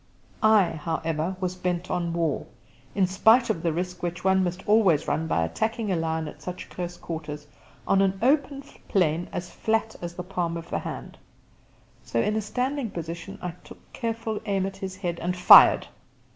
I, however, was bent on war, in spite of the risk which one must always run by attacking a lion at such close quarters on an open plain as flat as the palm of the hand; so in a standing position I took careful aim at his head, and fired.